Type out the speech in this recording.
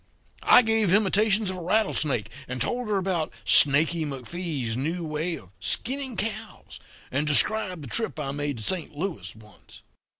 I gave imitations of a rattlesnake, and told her about Snaky McFee's new way of skinning cows, and described the trip I made to Saint Louis once.